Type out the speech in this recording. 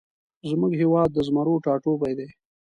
زمونږ هیواد د زمرو ټاټوبی دی